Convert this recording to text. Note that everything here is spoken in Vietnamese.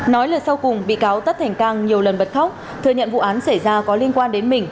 nói lời sau cùng bị cáo tất thành cang nhiều lần bật khóc thừa nhận vụ án xảy ra có liên quan đến mình